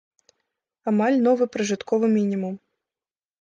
Амаль новы пражытковы мінімум.